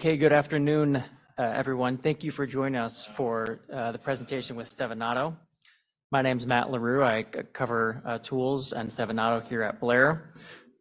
Okay, good afternoon, everyone. Thank you for joining us for the presentation with Stevanato. My name's Matt Larew. I cover tools and Stevanato here at Blair.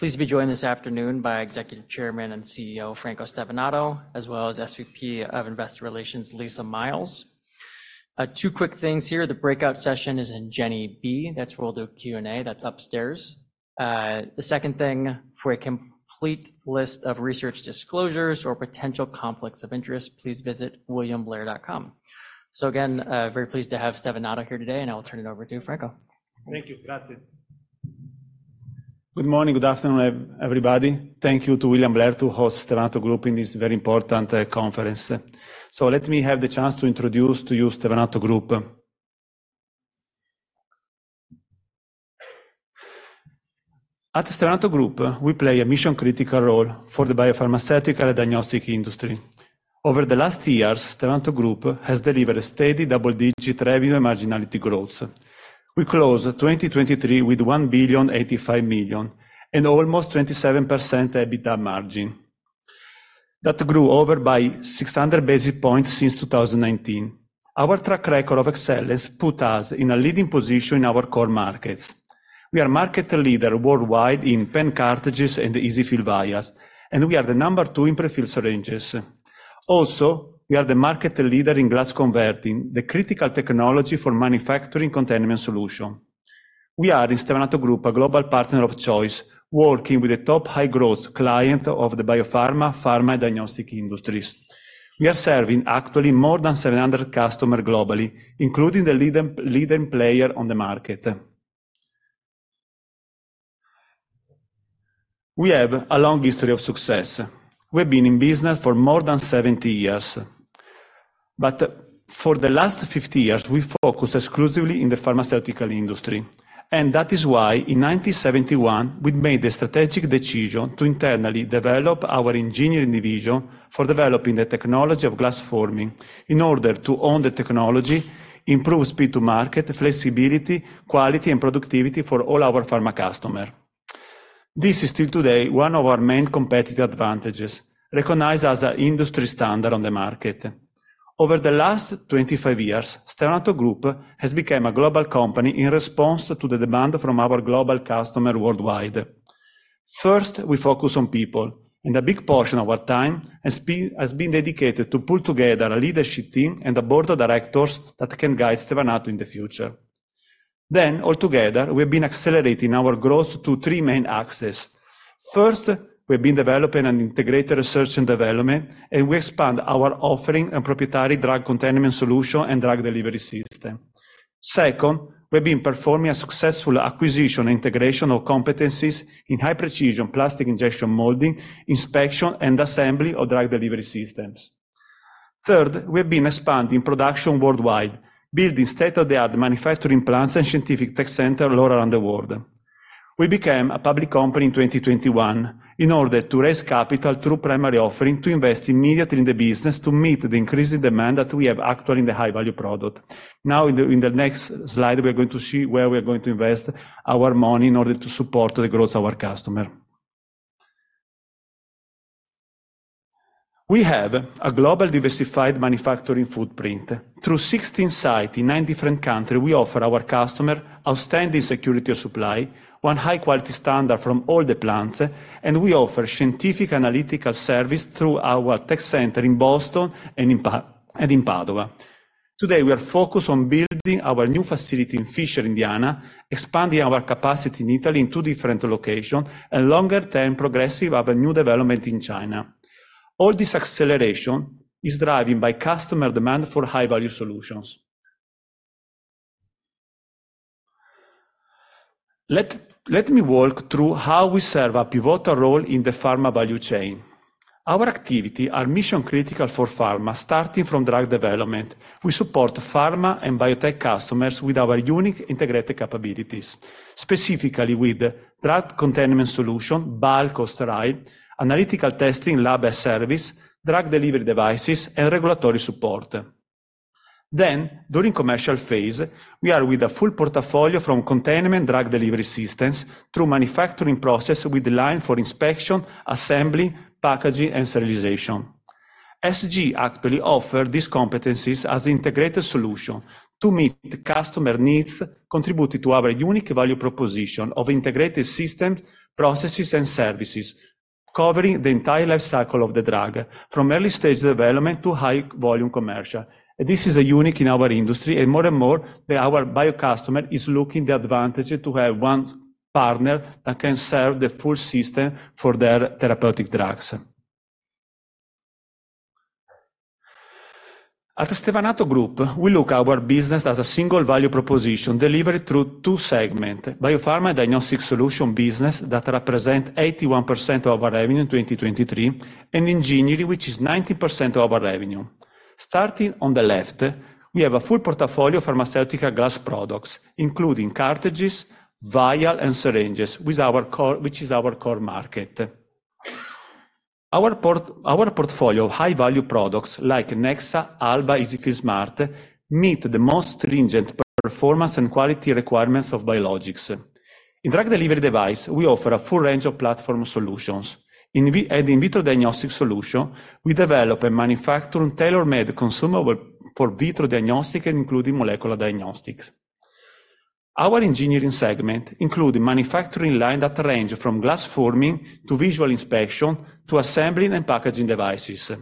Pleased to be joined this afternoon by Executive Chairman and CEO, Franco Stevanato, as well as SVP of Investor Relations, Lisa Miles. Two quick things here. The breakout session is in Jenny B. That's where we'll do Q&A. That's upstairs. The second thing, for a complete list of research disclosures or potential conflicts of interest, please visit williamblair.com. Again, very pleased to have Stevanato here today, and I'll turn it over to Franco. Thank you. Grazie. Good morning, good afternoon, everybody. Thank you to William Blair to host Stevanato Group in this very important conference. Let me have the chance to introduce to you Stevanato Group. At Stevanato Group, we play a mission-critical role for the biopharmaceutical and diagnostic industry. Over the last years, Stevanato Group has delivered a steady double-digit revenue marginality growth. We closed 2023 with 1,085 million and almost 27% EBITDA margin. That grew over by 600 basis points since 2019. Our track record of excellence put us in a leading position in our core markets. We are market leader worldwide in pen cartridges and EZ-fill vials, and we are the number two in pre-filled syringes. Also, we are the market leader in glass converting, the critical technology for manufacturing containment solution. We are, in Stevanato Group, a global partner of choice, working with the top high-growth client of the biopharma, pharma, and diagnostic industries. We are serving actually more than 700 customer globally, including the leading, leading player on the market. We have a long history of success. We've been in business for more than 70 years. But for the last 50 years, we focused exclusively in the pharmaceutical industry, and that is why, in 1971, we made the strategic decision to internally develop our engineering division for developing the technology of glass forming in order to own the technology, improve speed to market, flexibility, quality, and productivity for all our pharma customer. This is still today one of our main competitive advantages, recognized as an industry standard on the market. Over the last 25 years, Stevanato Group has become a global company in response to the demand from our global customer worldwide. First, we focus on people, and a big portion of our time has been dedicated to pull together a leadership team and a board of directors that can guide Stevanato in the future. Then, altogether, we've been accelerating our growth to three main axes. First, we've been developing an integrated research and development, and we expand our offering and proprietary drug containment solution and drug delivery system. Second, we've been performing a successful acquisition and integration of competencies in high-precision plastic injection molding, inspection, and assembly of drug delivery systems. Third, we've been expanding production worldwide, building state-of-the-art manufacturing plants and scientific tech center all around the world. We became a public company in 2021 in order to raise capital through primary offering to invest immediately in the business to meet the increasing demand that we have actually in the high-value product. Now, in the next slide, we are going to see where we are going to invest our money in order to support the growth of our customer. We have a global diversified manufacturing footprint. Through 16 sites in nine different countries, we offer our customer outstanding security of supply, one high-quality standard from all the plants, and we offer scientific analytical service through our tech center in Boston and in Padova. Today, we are focused on building our new facility in Fishers, Indiana, expanding our capacity in Italy in two different locations, and longer-term progressive development of a new facility in China. All this acceleration is driving by customer demand for high-value solutions. Let me walk through how we serve a pivotal role in the pharma value chain. Our activity are mission-critical for pharma, starting from drug development. We support pharma and biotech customers with our unique integrated capabilities, specifically with drug containment solution, bulk or sterile, analytical testing, lab as service, drug delivery devices, and regulatory support. Then, during commercial phase, we are with a full portfolio from containment drug delivery systems through manufacturing process with line for inspection, assembly, packaging, and sterilization. SG actually offer these competencies as integrated solution to meet the customer needs, contributing to our unique value proposition of integrated systems, processes, and services, covering the entire life cycle of the drug, from early stage development to high-volume commercial. This is unique in our industry, and more and more, our bio customer is looking the advantage to have one partner that can serve the full system for their therapeutic drugs. At Stevanato Group, we look our business as a single value proposition delivered through two segment: biopharma diagnostic solution business, that represent 81% of our revenue in 2023, and engineering, which is 90% of our revenue. Starting on the left, we have a full portfolio pharmaceutical glass products, including cartridges, vial, and syringes, with our core—which is our core market. Our portfolio of high-value products like Nexa, Alba, EZ-fill Smart, meet the most stringent performance and quality requirements of biologics. In drug delivery device, we offer a full range of platform solutions. In and in vitro diagnostic solution, we develop and manufacture tailor-made consumable-... for in vitro diagnostic and including molecular diagnostics. Our engineering segment include manufacturing line that range from glass forming, to visual inspection, to assembling and packaging devices.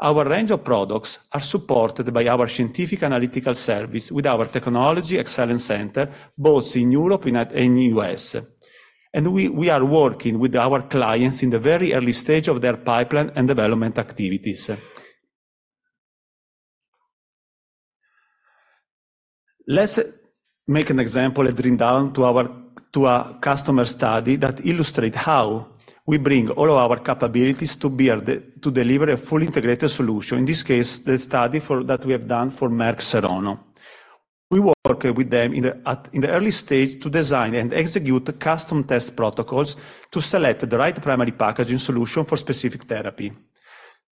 Our range of products are supported by our scientific analytical service with our technology excellence center, both in Europe and in the U.S. We are working with our clients in the very early stage of their pipeline and development activities. Let's make an example and drill down to a customer study that illustrate how we bring all of our capabilities to deliver a fully integrated solution. In this case, the study that we have done for Merck Serono. We work with them in the early stage to design and execute custom test protocols to select the right primary packaging solution for specific therapy.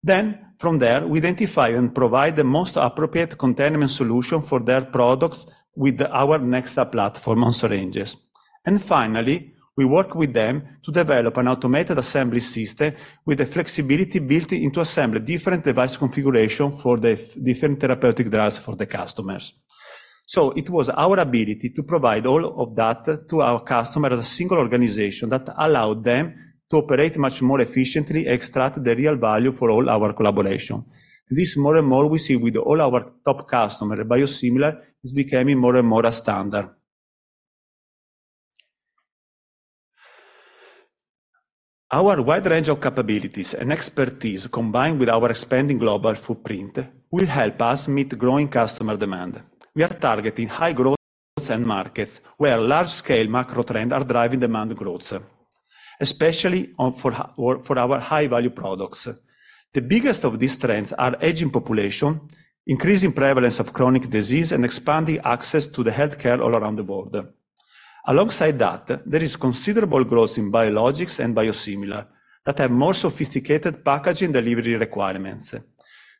Then, from there, we identify and provide the most appropriate containment solution for their products with our Nexa platform on syringes. And finally, we work with them to develop an automated assembly system with the flexibility built into assemble different device configuration for the different therapeutic drugs for the customers. So it was our ability to provide all of that to our customer as a single organization that allowed them to operate much more efficiently, extract the real value for all our collaboration. This, more and more, we see with all our top customer. Biosimilar is becoming more and more a standard. Our wide range of capabilities and expertise, combined with our expanding global footprint, will help us meet growing customer demand. We are targeting high growth end markets, where large-scale macro trend are driving demand growth, especially for our high-value products. The biggest of these trends are aging population, increasing prevalence of chronic disease, and expanding access to the healthcare all around the world. Alongside that, there is considerable growth in biologics and biosimilar, that have more sophisticated packaging delivery requirements.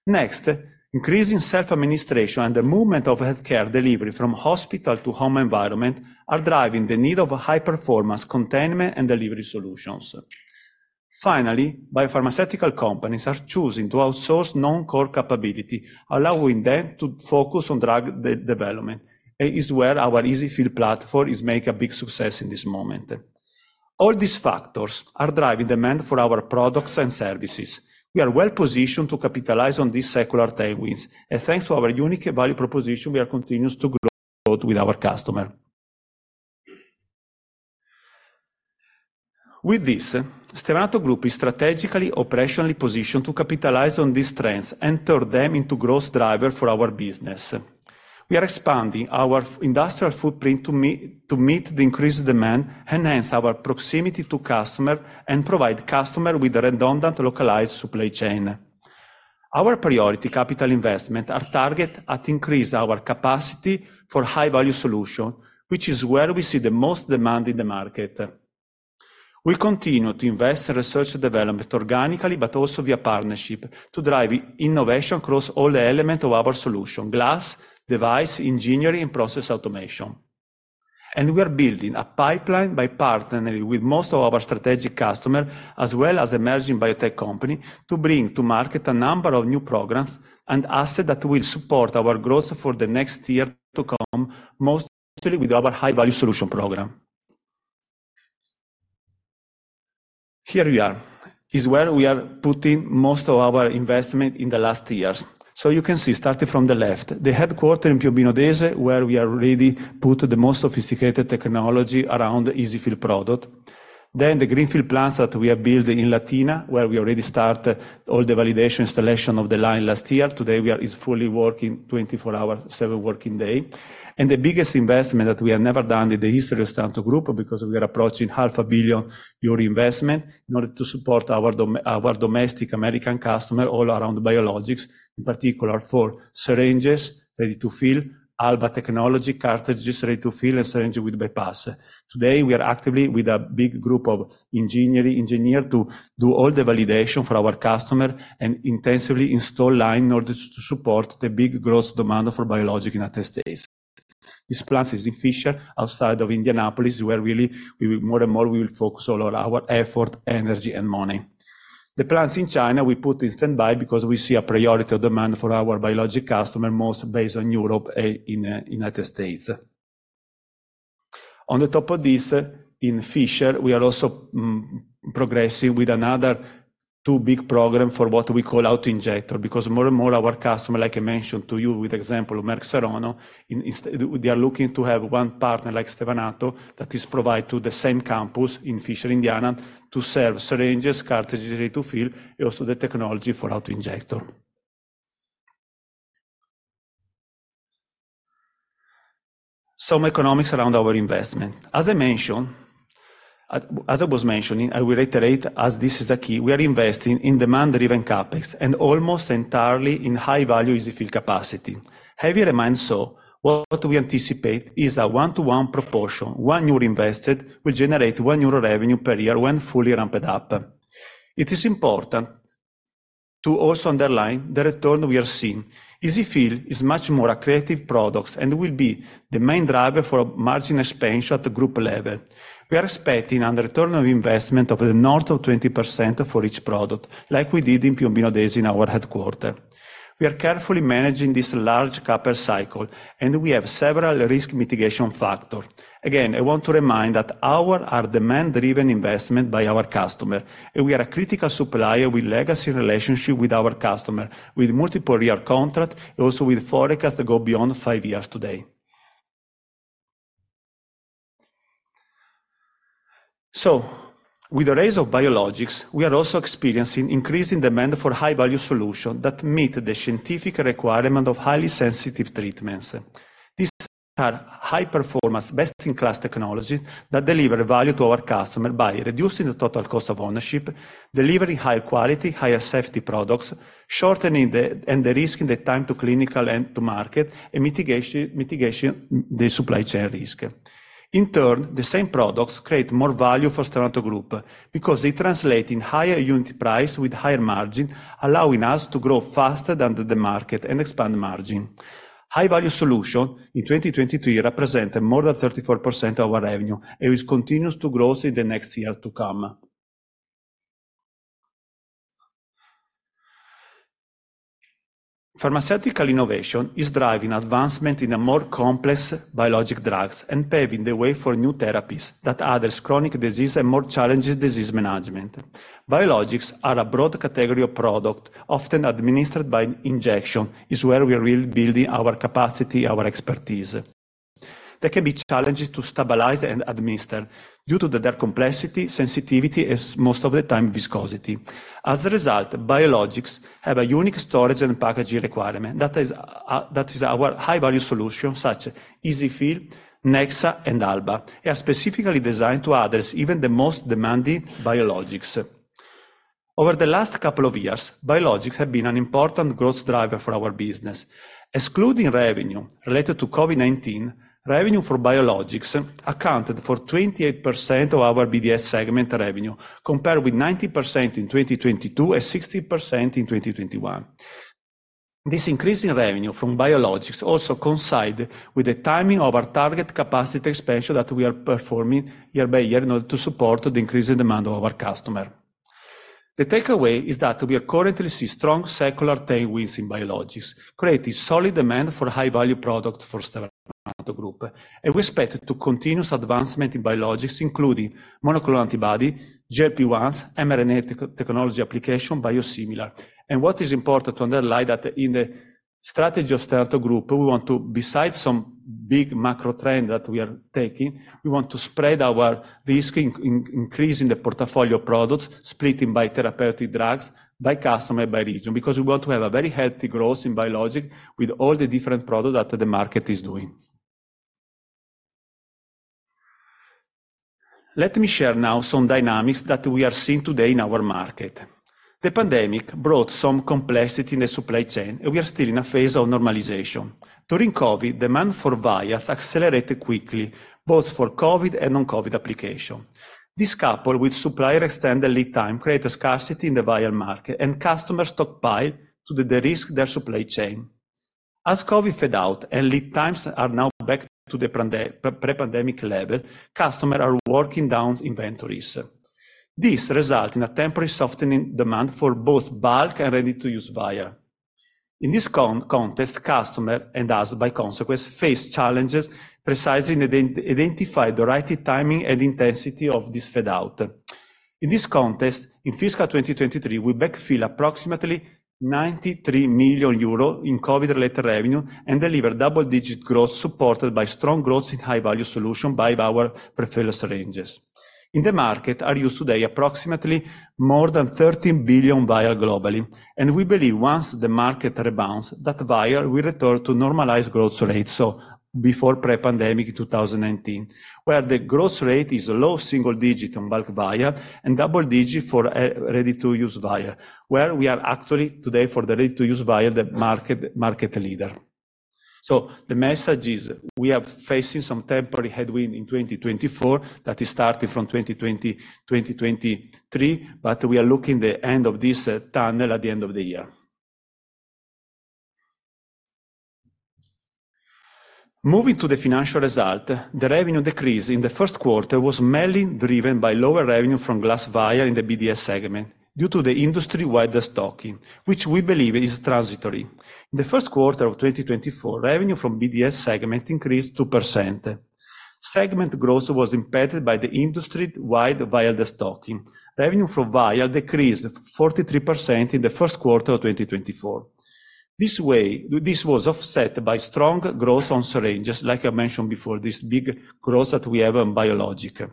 Next, increasing self-administration and the movement of healthcare delivery from hospital to home environment are driving the need of high performance containment and delivery solutions. Finally, biopharmaceutical companies are choosing to outsource non-core capability, allowing them to focus on drug development. It is where our EZ-fill platform is make a big success in this moment. All these factors are driving demand for our products and services. We are well positioned to capitalize on these secular tailwinds, and thanks to our unique value proposition, we are continuous to grow growth with our customer. With this, Stevanato Group is strategically, operationally positioned to capitalize on these trends and turn them into growth driver for our business. We are expanding our industrial footprint to meet the increased demand, enhance our proximity to customer, and provide customer with a redundant, localized supply chain. Our priority capital investment are targeted at increase our capacity for high-value solution, which is where we see the most demand in the market. We continue to invest in research and development organically, but also via partnership, to drive innovation across all the element of our solution: glass, device, engineering, and process automation. And we are building a pipeline by partnering with most of our strategic customer, as well as emerging biotech company, to bring to market a number of new programs and asset that will support our growth for the next year to come, mostly with our high-value solution program. Here we are. This is where we are putting most of our investment in the last years. So you can see, starting from the left, the headquarters in Piombino Dese, where we are already put the most sophisticated technology around the EZ-fill product. Then, the greenfield plants that we are building in Latina, where we already start all the validation, installation of the line last year. Today, it is fully working, 24-hour, seven working day. And the biggest investment that we have never done in the history of Stevanato Group, because we are approaching 500 million euro investment in order to support our domestic American customer all around biologics, in particular for syringes, ready to fill, Alba technology, cartridges, ready to fill, and syringe with bypass. Today, we are actively with a big group of engineers to do all the validation for our customer and intensively install line in order to support the big growth demand for biologics in United States. This plant is in Fishers, outside of Indianapolis, where really we will more and more focus all our effort, energy, and money. The plants in China, we put in standby because we see a priority of demand for our biologics customer, most based on Europe and in United States. On the top of this, in Fishers, we are also progressing with another 2 big programs for what we call auto-injector, because more and more our customers, like I mentioned to you with example, Merck Serono, in insulin they are looking to have one partner, like Stevanato, that is provide to the same campus in Fishers, Indiana, to serve syringes, cartridges, ready to fill, and also the technology for auto-injector. Some economics around our investment. As I mentioned, as I was mentioning, I will reiterate, as this is a key, we are investing in demand-driven CapEx, and almost entirely in high-value EZ-fill capacity. Have in mind, so what we anticipate is a one-one proportion. 1 euro invested will generate 1 euro revenue per year when fully ramped up. It is important to also underline the return we are seeing. EZ-fill is much more accretive products and will be the main driver for margin expansion at the group level. We are expecting a return on investment in the north of 20% for each product, like we did in Piombino Dese in our headquarters. We are carefully managing this large CapEx cycle, and we have several risk mitigation factors. Again, I want to remind that our investments are demand-driven by our customers, and we are a critical supplier with legacy relationships with our customers, with multi-year contracts, also with forecasts that go beyond five years today. So with the rise of biologics, we are also experiencing increasing demand for high-value solutions that meet the scientific requirements of highly sensitive treatments. These are high performance, best-in-class technologies that deliver value to our customer by reducing the total cost of ownership, delivering higher quality, higher safety products, shortening and de-risking the time to clinical and to market, and mitigating the supply chain risk. In turn, the same products create more value for Stevanato Group because they translate in higher unit price with higher margin, allowing us to grow faster than the market and expand margin. High-value solution in 2023 represented more than 34% of our revenue, and it continues to grow in the next year to come. Pharmaceutical innovation is driving advancement in a more complex biologic drugs and paving the way for new therapies that address chronic disease and more challenging disease management. Biologics are a broad category of product, often administered by injection, is where we are really building our capacity, our expertise. There can be challenges to stabilize and administer due to their complexity, sensitivity, as most of the time, viscosity. As a result, biologics have a unique storage and packaging requirement. That is, that is our high-value solution, such EZ-fill, Nexa, and Alba. They are specifically designed to address even the most demanding biologics. Over the last couple of years, biologics have been an important growth driver for our business. Excluding revenue related to COVID-19, revenue for biologics accounted for 28% of our BDS segment revenue, compared with 90% in 2022 and 60% in 2021. This increase in revenue from biologics also coincide with the timing of our target capacity expansion that we are performing year by year in order to support the increasing demand of our customer. The takeaway is that we are currently seeing strong secular tailwinds in biologics, creating solid demand for high-value products for Stevanato Group, and we expect continuous advancement in biologics, including monoclonal antibody, GLP-1s, mRNA technology application, biosimilars. What is important to underline is that in the strategy of Stevanato Group, we want to, besides some big macro trends that we are taking, we want to spread our risk in increasing the portfolio of products, splitting by therapeutic drugs, by customer, by region, because we want to have a very healthy growth in biologics with all the different products that the market is doing. Let me share now some dynamics that we are seeing today in our market. The pandemic brought some complexity in the supply chain, and we are still in a phase of normalization. During COVID, demand for vials accelerated quickly, both for COVID and non-COVID application. This, coupled with supplier extended lead time, created scarcity in the vial market, and customers stockpile to de-risk their supply chain. As COVID fade out and lead times are now back to the pre-pandemic level, customer are working down inventories. This result in a temporary softening demand for both bulk and ready-to-use vial. In this context, customer, and us, by consequence, face challenges precisely in identifying the right timing and intensity of this fade out. In this context, in fiscal 2023, we backfill approximately 93 million euro in COVID-related revenue and deliver double-digit growth, supported by strong growth in high-value solution by our prefills syringes. In the market, vials are used today approximately more than 13 billion vials globally, and we believe once the market rebounds, that vials will return to normalized growth rate, so before pre-pandemic in 2019, where the growth rate is low single digit on bulk vial and double digit for ready-to-use vial, where we are actually today for the ready-to-use vial, the market, market leader. So the message is we are facing some temporary headwind in 2024, that is starting from 2020, 2023, but we are looking the end of this tunnel at the end of the year. Moving to the financial result, the revenue decrease in the first quarter was mainly driven by lower revenue from glass vials in the BDS segment due to the industry-wide de-stocking, which we believe is transitory. In the first quarter of 2024, revenue from BDS segment increased 2%. Segment growth was impacted by the industry-wide vial de-stocking. Revenue from vial decreased 43% in the first quarter of 2024. This was offset by strong growth on syringes, like I mentioned before, this big growth that we have in biologic.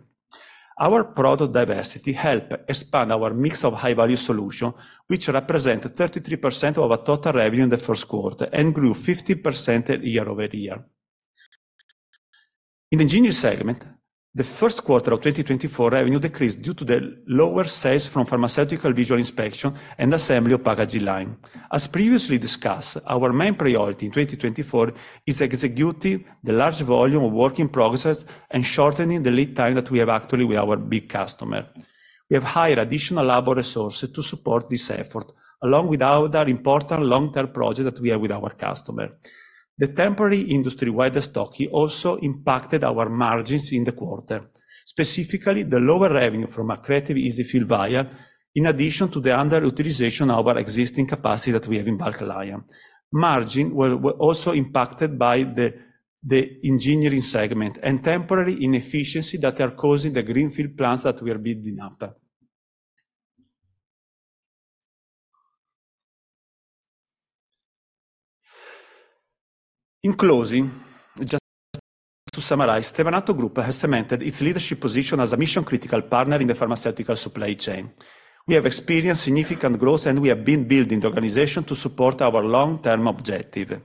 Our product diversity help expand our mix of high-value solution, which represent 33% of our total revenue in the first quarter and grew 50% year-over-year. In the engineering segment, the first quarter of 2024 revenue decreased due to the lower sales from pharmaceutical visual inspection and assembly of packaging line. As previously discussed, our main priority in 2024 is executing the large volume of work in progress and shortening the lead time that we have actually with our big customer. We have hired additional labor resources to support this effort, along with other important long-term projects that we have with our customer. The temporary industry-wide de-stocking also impacted our margins in the quarter, specifically the lower revenue from accretive EZ-fill vial, in addition to the underutilization of our existing capacity that we have in bulk line. Margins were also impacted by the engineering segment and temporary inefficiencies that are causing the greenfield plants that we are building up. In closing, just to summarize, Stevanato Group has cemented its leadership position as a mission-critical partner in the pharmaceutical supply chain. We have experienced significant growth, and we have been building the organization to support our long-term objective.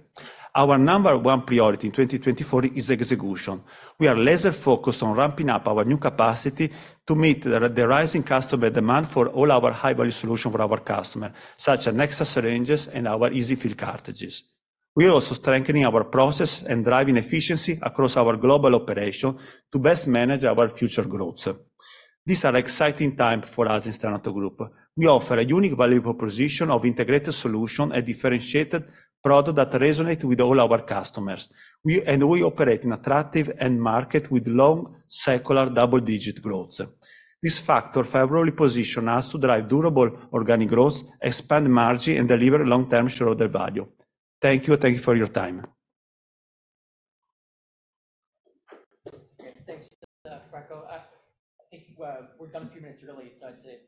Our number one priority in 2024 is execution. We are laser focused on ramping up our new capacity to meet the rising customer demand for all our high-value solution for our customer, such as Nexa syringes and our EZ-fill cartridges. We are also strengthening our process and driving efficiency across our global operation to best manage our future growth. These are exciting time for us in Stevanato Group. We offer a unique value proposition of integrated solution and differentiated product that resonate with all our customers. We operate in attractive end market with long, secular, double-digit growth. This factor favorably position us to drive durable organic growth, expand margin, and deliver long-term shareholder value. Thank you. Thank you for your time. Great. Thanks, Franco. I think we're done a few minutes early, so I'd say if you want to-